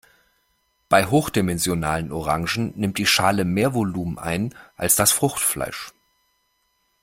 Bei hochdimensionalen Orangen nimmt die Schale mehr Volumen ein als das Fruchtfleisch.